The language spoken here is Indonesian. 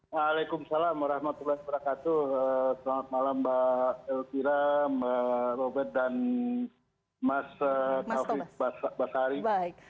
waalaikumsalam warahmatullahi wabarakatuh selamat malam mbak elvira mbak robert dan mas taufik basari